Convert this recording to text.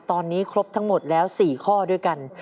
ตอนนี้ครบทั้งหมดแล้ว๔ข้อด้วยกัน